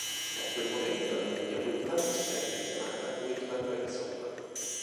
Da quel momento, la famiglia Widmann si sarebbe chiamata "Widmann Rezzonico".